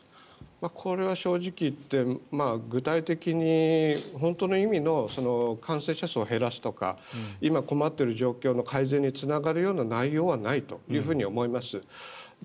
これは正直言って具体的に、本当の意味の感染者数を減らすとか今、困っている状況の改善につながるような内容はないというふうに思います。